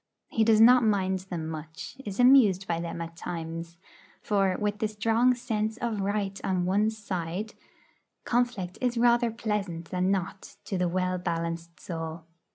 He does not mind them much, is amused by them at times; for, with the strong sense of right on one's side, conflict is rather pleasant than not to the well balanced soul.